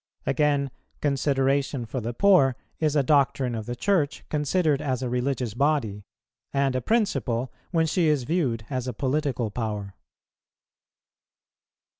Again, consideration for the poor is a doctrine of the Church considered as a religious body, and a principle when she is viewed as a political power.